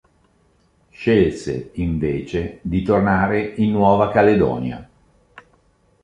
Scelse invece di tornare in Nuova Caledonia.